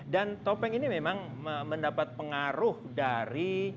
dan topeng ini memang mendapat pengaruh dari